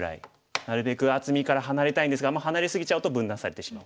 なるべく厚みから離れたいんですが離れ過ぎちゃうと分断されてしまう。